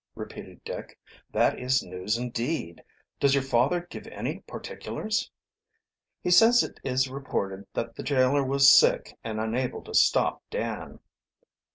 repeated Dick. "That is news indeed. Does your father give my particulars?" "He says it is reported that the jailer was sick and unable to stop Dan."